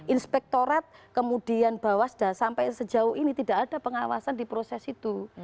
inspektorat kemudian bawasda sampai sejauh ini tidak ada pengawasan di proses itu